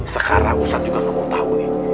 sekarang ustad juga gak mau tau nih